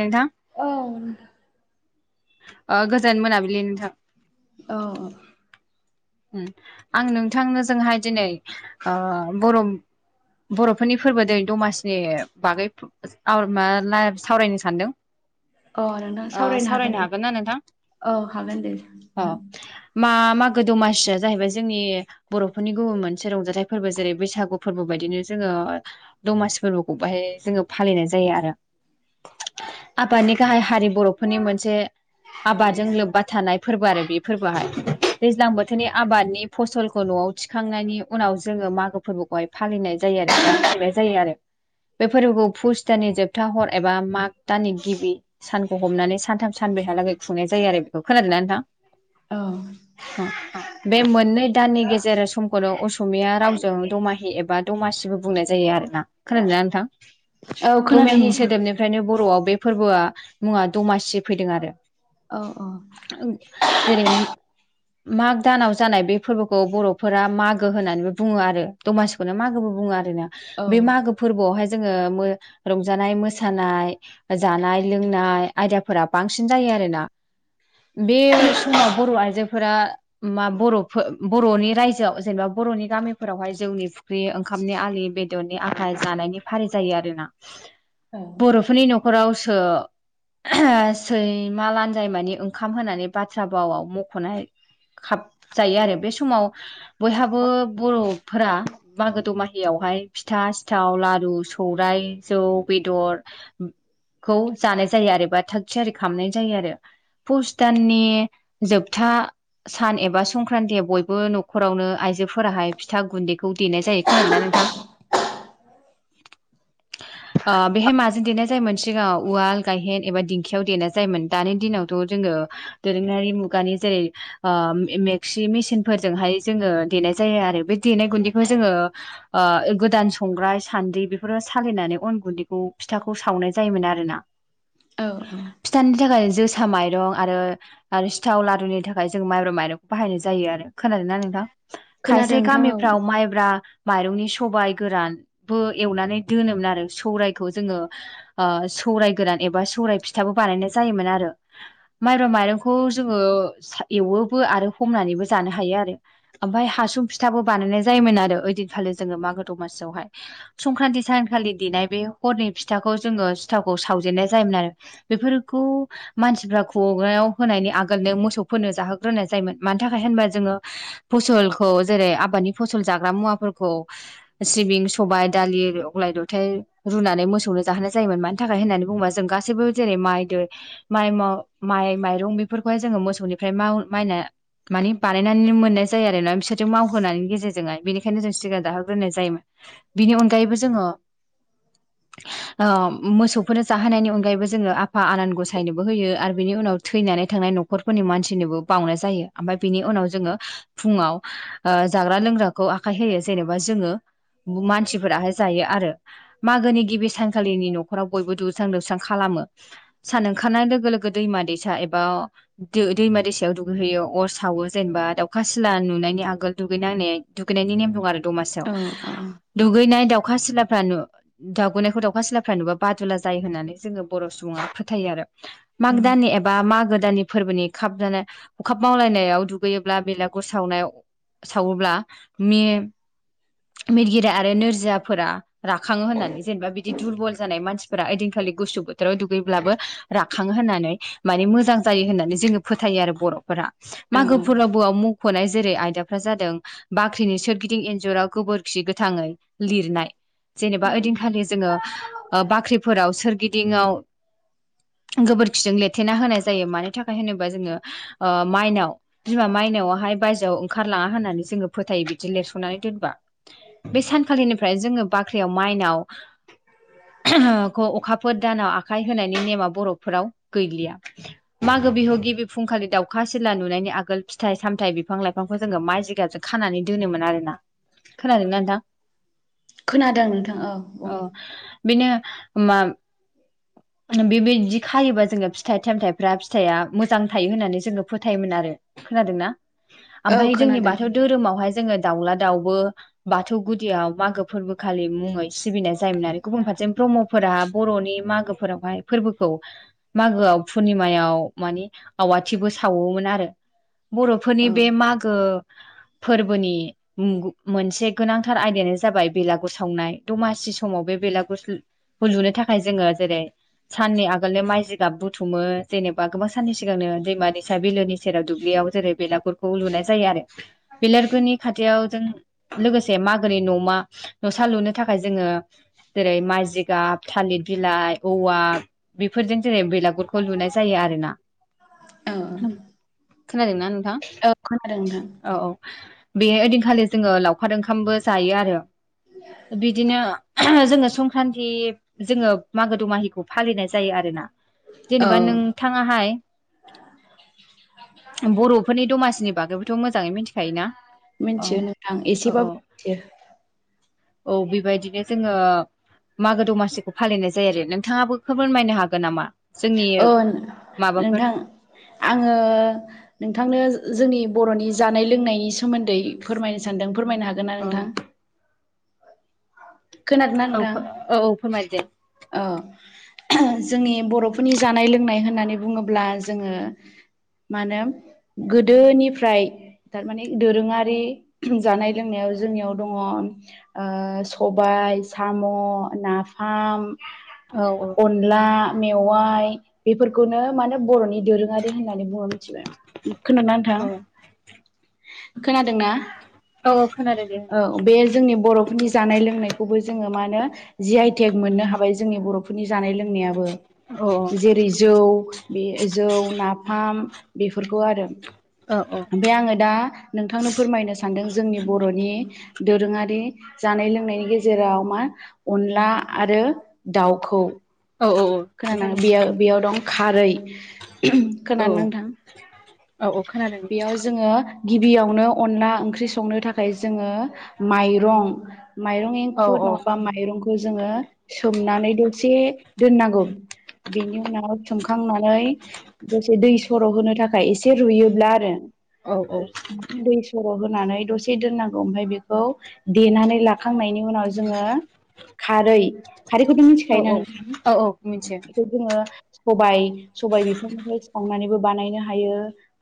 नोंथां औ गोजोन मोनाबिलि नोंथां औ आं नोंथांनोजोंहाय दिनै बर' बर'फोरनि फोरबो दिनै दमासिनि बागै माब सावरायनो सानदों औ नोंथां सावरायनो दे हागोन ना नोंथां औ हागोन दे अ नोंथां मा मा दमासिया जाहैबाय जोंनि बर'फोरनि गुबुन मोनसे रंजाथाइ फोरबो जेरै बैसागु फोरबो बायदिनो जोङो दमासि फोरबोखौ बाहाय जोङो फालिनाय जायो आरो आबादनि गाहाय हारि बर'फोरनि मोनसे आबादजों लोबबा थानाय फोरबो आरो बे फोरबोआहाय दैज्लां बोथोर बोथोरनि आबादनि फसलखौ न'आव थिखांनायनि उनाव जोङो मागो फोरबोखौहाय फालिनाय जायो आरो बा नाय जायो आरो बे फोरबोखौ फुस दाननि जोबथा हर एबा माग दाननि गिबि सानखौ हमनानै सानथाम सान ब्रैहालागै खुंनाय जायो आरो बेखौ खोनादोंना औ नोंथां बे मोननै दाननि गेजेर समखौनो असमिया रावजों दमाहि एबा दमासिबो बुंनाय जायो आरोना खोनादोंना नोंथां औ खोनादों दमाहि नोंथां सोदोबनिफ्रायनो बर'आव बे फोरबोआ मुङा दमासि फैदों आरो औ औ जेरै माग दानाव जानाय बे फोरबोखौ बर'फोरा मागो होननानैबो बुङो आरो दमासिखौनो मागोबो बुङो आरो औ बे मागो फोरबोआवहाय जोङो रंजानाय मोसानाय जानाय लोंनाय आयदाफोरा बांसिन जायो आरोना बे समाव बर' आइजोफोरा मा बर' बर'नि रायजोआव जेनेबा बर'नि गामिफोरावहाय जौनि फुख्रि ओंखामनि आलि बेदरनि बेदरनि आखाइ जानायनि फारि जायो आरोना औ बर'फोरनि न'खरावसो सैमा लानजाय मानि ओंखाम होनानै बाथ्रा बावाव मख'नाय खाब जायो आरो बे समाव बयहाबो बर' फोरा मागो दमाहियावहाय फिथा सिथाव लारु सौराय जौ बेदर खौ जानाय जायो आरो बा थाग थियारि खालामनाय जायो आरो फुस दाननि जोबथा सान एबा संक्रान्ति बयबो न'खरावनो आइजोफोराहाय फिथा गुन्दैखौ देनाय जायो खोनादोंना नोंथां बेहाय माजों देनाय जायोमोन सिगाङां उवाल गायहेन एबा दिंखियाव देनाय जायोमोन दानि दिनावथ' जोङो दोरोङारि मुगानि जेरै ओ मेक्सि मेसिनफोरजोंहाय जोङो देनाय जायो आरो बे देनाय गुन्दैखौ जोङो गोदान संग्राय सान्द्रि बेफोर सालिनानै अन गुन्दैखौ फिथाखौ सावनाय जायोमोन आरोना औ फिथानि थाखाय जोसा माइरं आरो आरो सिथाव लारुनि थाखाय जों माइब्रा माइरंखौ बाहायनाय जायो आरो खोनादोंना नोंथां खोनादों खायसे नोंथां औ गामिफ्राव माइब्रा माइरंनि सबायाइ गोरानबो एवनानै दोनोमोन आरो सौरायखौ जोङो सौराय गोरान एबा सौराय फिथा फिथाबो बानायनाय जायोमोन आरो माइब्रा माइरंखौ जोङो एववोबो आरो हमनानैबो जानो हायो आरो ओमफ्राय हासुं फिथाबो बानायनाय जायोमोन आरो ओइदिनखालि जोंङो मागो दमासियावहाय स्रंखानथि सानखालि देनाय बे हरनि फिथाखौ जोंङो सिथावखौ सावजेननाय जायोमोन आरो बेफोरखौ मानसिफ्रा खग्रायाव होनायनि आगोलनो मोसौ फोरनो जाहोग्रोनाय जायोमोन मानि थाखाय होनबा जोङो फसलखौ जेरै आबादनि फसल जाग्रा मुवाफोर सिबिं सबाय दालिर अ गलाय लथाय रुनानै मोसौनो जाहोनाय जायोमोन मानि थाखाय होननानै बुङोबा जों गासैबो जेरै माइ माइ माइरं बेफोरखौ खौहाय जोङो मोसौ निफ्राय माव माइना मानि बानायनानै मोननाय जायो आरोना बिसोरजों मावहोनायनि गेजेरजोंहाय बेनिखायनो जों सिगां जाहोग्रोनाय जायोमोन बिनि अनगायैबो जोङो मोसौफोरनो जाहोनायनि अनगायैबो जोङो आफा आनान गसायनोबो होयो आरो बिनि उनाव थैनानै थायो थांनाय नखफोरनि मानसिफोर बावनाय जायो ओमफ्राय बिनि उनाव जोङो फुङाव जाग्रा लोंग्राखौ आखाय होयो जे जेनेबा जोङो मानसिफोराहाय जायो आरो मागोनि गिबि सानखालिनि न'खराव बयबो दुगैसां लोबस्रां खालामो खालामो सान ओंखारनाय लोगो-लोगो दैमा दैसा एबा दैमा दैसायाव दुगैहैयो अर सावो जेनेबा दाउ दावखा सिला नुनायनि आगोल दुगैनाय दुगैनायनि नेम दं आरो दमासियाव औ दुगैनाय दाउखा दावखा सिलाफ्रा नु लुबैनायखौ दाउखा सिलाफ्रा नुब्ला बादुला जायो होननानै जोङो बर' सुबुङा फोथायो आरो माग औ दाननि एबा मागो दाननि फोरबोनि खाब जानाय हखाब मावलायनायाव दुगैयोब्ला बेलागुर सावनायाव सावोब्ला मिरगिरि आरो नोरजियाफोरा राखाङो होननानै जेनेबा बिदि दुरबल जानाय मानसिफोरा ओइदिनखालि गुसु बोथोराव दुगैब्लाबो राखाङो होननानै माने मोजां जायो होननानै जोङो फोथायो आरो बर'फोरा औ मागो औ फोरबोआव मुंख'नाय जेरै आयदाफ्रा जादों बाख्रिनि सोरगिदिं इन्जुराव गोबोरखि गोथाङै लिरनाय जेनेबा ओइदिनखालि जोङो ओ बाख्रिफोराव सोरगि दिंआव गोबोरखिजों लेथेना होनाय जायो मानो थाखाय होनोबा जोङो ओ माइनाव बिमा मा मायनावाहाय बायजोआव ओंखारलाङा होननानै जोङो फोथायो बिदि लिरस'नानै दोनबा बे सानखालिनिफ्राय जोङो बाख्रियाव माइनाव खौ अखाफोर दानाव आखाइ होनायनि नेमा बर'फोराव गैलिया मागो बिहु गिबि फुंखालि दाउखा सिला नुनायनि आगोल फिथाइ सामथाय बिफां लाइफांखौ जोङो माइ जिगाबजों खा खानानै दोनोमोन आरो ना खोनादोंना नोंथां खोनादों नोंथां औ बुं बिनो मा बेबायदि खायोबा जोङो फिथाइ सामथाइफ्रा फिथाया मोजां थायो होननानै जोङो फोथायोमोन आरो खोनादोंना औ आमफाय जोंनि खोनादों बाथौ धोरोमावहाय जोङो दाउला दाउबो बाथौ गुदियाव मागो फोरबोखालि मुङै सिबिनाय जायोमोन आरो गुबुन फारसे ब्रह्म फोर फ्रा बर'नि मागो फोरावहाय फोरबोखौ मागोआव पुर्निमायाव मानि आवाथिबो सावोमोन आरो बर'फोरनि औ बे मागो फोरबोनि मोनसे गोनांथार आयदायानो जाबाय बेलागुर सावनाय दमासि समाव बे बेलागुर हु लुनो थाखाय जोङो जेरै साननि आगोलनो माइ जिगाब बुथुमो जेने बा गोबां साननि सिगांनो दैमा दैसा बिलोनि सेराव दुब्लियाव जेरै बेलागुरखौ लुनाय जायो आरो बेलगुरनि खा थियाव जों लोगोसे मागोनि न'मा न'सा लुनो थाखाय जोङो जेरै माइजिगाब थालिर बिलाइ औवा बेफोरजों जेरै बेलागुरखौ लुनाय जायो आरोना औ खोनादोंना नोंथां औ खोनादों नोंथां औ औ बेहाय ओइदिनखालि जोङो लावखार ओंखामबो जायो आरो बिदिनो जोङो संक्रान्ति जोङो मागो दमाहिखौ फालिनाय जायो आरोना औ जेनेबा नोंथाङाहाय बर'फोरनि दमासिनि बागैबोथ' मोजाङै मिथिखायोना औ मिथियो नोंथां औ औ एसेबाबो मिथियो औ बेबायदिनो जोङो मागो दमासिखौ फालिनाय जायो आरो नोंथाङाबो फोर फोरमायनो हागोन नामा जोंनि औ माबाफोर नोंथां आङो नोंथांनो जोंनि बर'नि जानाय लोंनायनि सोमोन्दै फोरमायनो सानदों फोरमायनो हागोन ना औ नोंथां खोनादोंना औ नोंथां औ औ फोरमाय दे औ जोंनि बर'फोरनि जानाय लोंनाय होननानै बुङोब्ला जोङो मा होनो गोदोनिफ्राय थारमाने दोरोङारि जानाय लोंनायाव जोंनियाव दङ ओ सबाइ साम' नाफाम औ औ अनला मेवाइ बेफोरखौनो मानो बर'नि दोरोङारि होननानै बुङो मिथिबाय खोनादों ना नोंथां औ खोनादों ना औ खोनादों दे औ बे जोंनि बर'फोरनि जानाय लोंनायखौबो जोङो मा नो जि आइ थेग मोननो हाबाय जोंनि बर'फोरनि जानाय लों नायाबो औ जेरै जौ बे जौ नाफाम बेफोरखौ आरो औ बे आङो दा नोंथांनो फोरमायनो सानदों जोंनि बर'नि दोरोङारि जानाय लोंनायनि गेजेराव मा अनला आरो दाउखौ औ औ खोनानाङ खोन्थानो बेयो बेयाव दं। खारै औ खोनादों ना नोंथां औ औ खोनादों बेयाव जोङो। गिबियावनो अनला ओंख्रि संनो थाखाय जोङो माइरं माइरं औ औ एंखुर नङाबा माइरंखौ जोङो सोमनानै दसे दोननांगौ [inaudible] बेनि उनाव थुनखांनानै दसे दै सर' होनो थाखाय एसे रुयोब्ला आरो औ औ ओ दै सर' होनानै दसे दोननांगौ ओयफ्राय बेखौ देनानै लाखांनायनि उनाव जोङो खारै खारैखौथ' औ मिथिखायोना नोंथां औ औ मिथियो बेखौ जोङो सबाय सबाय बिफांनिफ्राय सावनानैबो बानायनो हायो।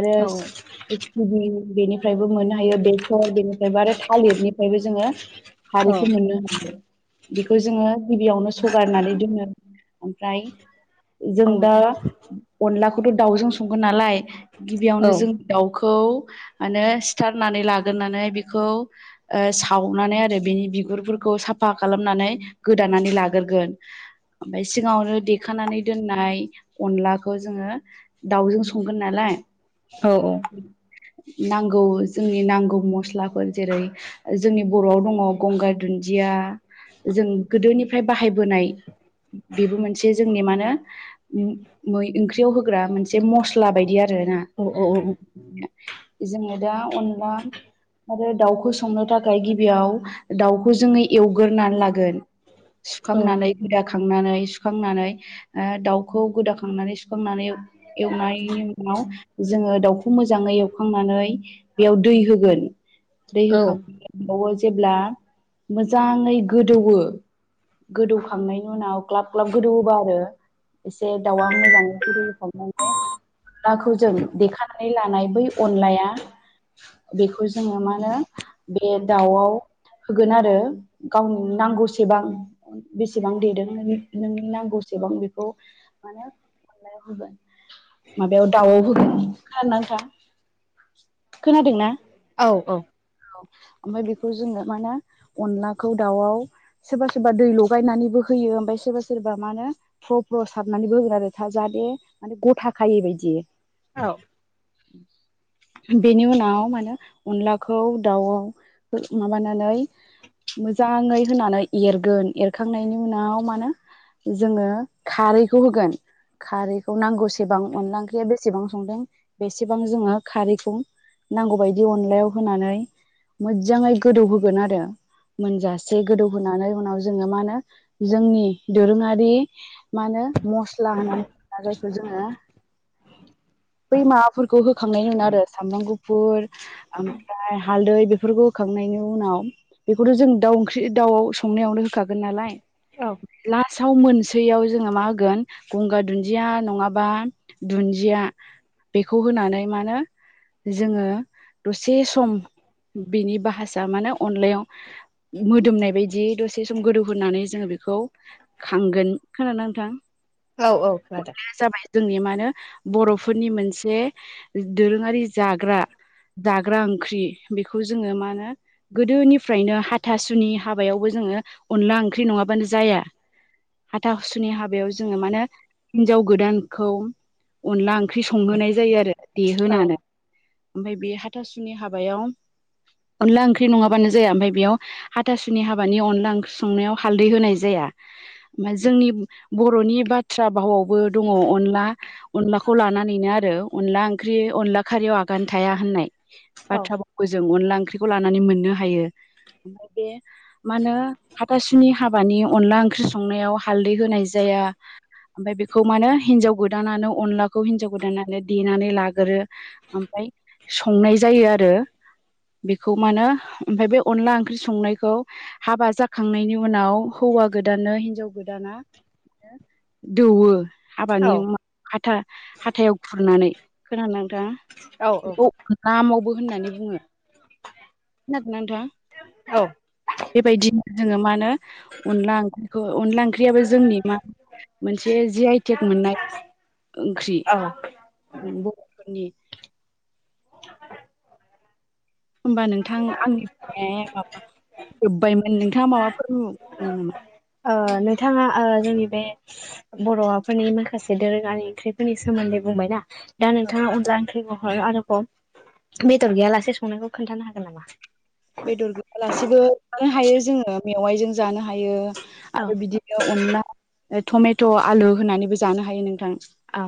आरो औ सिबिं बेनिफ्रायबो मोननो हायो बेसर बेनिफ्रायबो आरो थालिरनिफ्रायबो जोङो औ खारैखौ मोननो हांगौ बेखौ जोङो गिबियावनो सगारनानै दोनो ओमफ्राय जों औ दा अनलाखौथ' दाउजों संगोन नालाय। औ गिबियावनो जों दाउखौ माने सिथारनानै लाग्रोनानै बिखौ सावनानै आरो बिनि बिगुरफोरखौ सा फा खालामनानै गोदानानै लाग्रोगोन। ओमफ्राय सिगाङावनो देखानानै दोननाय अनलाखौ जोङो दाउजों संगोन नालाय। औ [inaudible] नांगौ जोंनि नांगौ मस्लाफोर जेरै जोंनि बर'आव दङ गंगार दुन्दि या जों गोदोनिफ्राय बाहायबोनाय। बेबो मोनसे जोंनि मा होनो मै ओंख्रियाव होग्रा मोनसे मस्ला बायदि आरो। आरोना जोङो दा अनला आरो दाउखौ संनो थाखाय गिबियाव दाउखौ जोङो एवगोरानै लागोन। सुखांनानै गोदा खांनानै सुखांनानै दाउखौ गोदाखांनानै सुखांनानै एवनायनि उ नाव जोङो दाउखौ मोजाङै एवखांनानै बेयाव दै होगोन। दै औ होखांनानै [unintelligible] जेब्ला मोजाङै गोदौयो गोदौखांनाय नि उनाव ग्लाब ग्लाब गोदौयोबा आरो एसे दाउआ मोजाङै गोदौखांनानै। अनलाखौ जों देखानानै लानाय बै अनलाया। बेखौ जोङो मा होनो बे दाउआव। होगोन आरो गावनि नांगौसेबां बेसेबां। देदों नोंनि नांगौसेबां बेखौ मा होनो अनलायाव होगोन। माबायाव दाउआव होगोन खोनादों ना नोंथां खोनादोंना। औ औ। औ ओमफ्राय बेखौ जोङो मा होनो अनलाखौ दाउआव सोरबा सोरबा दै लगायनानैबो हो होयो ओमफ्राय सोरबा सोरबा मा होनो फ्र' फ्र' सारनानैबोोग्रा आरो था जाहाथे माने गथ' खायै बायदि। औ। [inaudible] बेनि उनाव माने अनलाखौ दाउआव माबानानै। मोजाङै होनानै एरगोन एरखांनायनि उनाव माहोनो जोङो खारैखौ होगोन। खारैखौ नांगौसेबां अनला ओंख्रिया बेसेबां संदों बेसेबां जोङो खारैखौ। नांगौ बायदि अनलायाव होनानै। मोजाङै गोदौ होगोन आरो मोनजासे गोदौहोनानै उनाव जोङो मा होनो जोंनि दोरोङारि मा होनो मस्ला होननानै बुङोब्ला जायखौ जोङो। [inaudible] बै माबाफोरखौ होखांनाय उनाव आरो सामब्राम गुफुर ओमफ्राय हालदै बेफोरखौ होखां नायनि उनाव बेखौथ' जों दाउ ओंख्रि दाउ संनायावनो होखागोन नालाय लास्टाव मोन सेैयाव जोङो मा होगोन गंगार दुन्दिया नङाबा दुन्दिया बेखौ होनानै माहोनो जोङो दसे सम बिनि बाहासा माने अनलायाव मोदोमनाय बायदि दसे सम गोदौ होनानै जोङो बे खौ खांगोन खोनादोंना‌ नोंथां औ औ खोनादों जाबाय जोंनि मा बर'फोरनि मोनसे दोरोङारि जाग्रा जाग्रा ओंख्रि बेखौ जोङो मा होनो गोदोनिफ्रायनो हाथासुनि हाबायावबो जों जङो अनला ओंख्रि नङाबानो जाया हाथा हुासुनि हाबायाव जोङो मानो हिनजाव गोदानखौ अनला ओंख्रि संहोनाय जायो आरो खोनादों देहोनानै ओमफाय बे हाथासुनि हाबायाव अनला ओंख्रि नङाबानो जाया ओमफाय बेयाव हाथासुनि हाबानि अनला ओंख्रि संनायाव हालदै होनाय जाया जोंनि बर'नि बाथ्रा भावावबो दङ अनला अनलाखौ लानानैनो आरो अनला ओंख्रिअनला खारियाव आगान थाया होननाय औ बाथ्रा जों अनला ओंख्रिखौ लानानै मोननो हायो ओमफ्राय बे मा होनो हाथासुनि हाबानि अनला ओंख्रि संनायाव हालदै होनाय जाया ओमफाय बेखौ माने हिनजाव गोदानानो अनलाखौ हिनजाव गोदानानो देनानै लागोरो ओमफाय संनाय जायो आरो बेखौ मानो ओमफाय बे अनला ओंख्रि संनायखौ हाबा जाखांनायनि उनाव हौवा गोदानानो हिनजाव गोदाना दौवो औ हाबानि हाथा हाथायाव खुरनानै खोना दोंना औ नोंथाङा [unintelligible] होननानै बुङो खोनादोंना नोंथाङा औ बेबायदिनो जोङो मा होनो अनला ओंख्रिखौ अनला ओंख्रियाबो जोंनि मा मोनसे जि आइटेक मोननाय ओंख्रि बर'फोरनि होमबा नोंथां आंनि फामाया माबा जोब्बायमोन नोंथाङा माबाफोर [unintelligible] नामा नोंथाङा जोंनि बे बर'फोरनि माखासे दोरोङारि ओंख्रिफोरनि सोमोन्दै होननानै बुंबायना दा नोंथाङा अनला ओंख्रिखौ आरोबाव बेदर गैयालासे संनायखौ खोन्थानो हागोन नामा बेदर गैयालासेबो जानो हायो जोङो मेवाइजों जानो हायो औ आरो बिदिनो अनला टमेट' आलु होनानैबो जानो हायो नोंथां औ